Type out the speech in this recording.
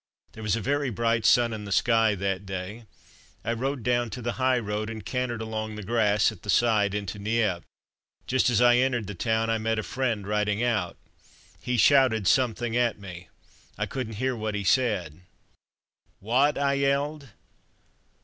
There was a very bright sun in the sky that day. I rode down to the high road, and cantered along the grass at the side into Nieppe. Just as I entered the town I met a friend riding out. He shouted something at me. I couldn't hear what he said. "What?" I yelled.